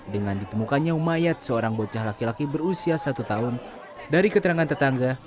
dengan ditemukannya umayat seorang bocah laki laki berusia satu tahun dari keterangan tetangga